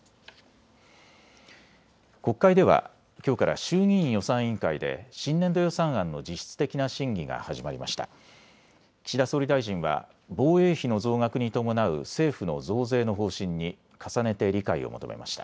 国会ではきょうから衆議院予算委員会で新年度予算案の実質的な審議が始まりました。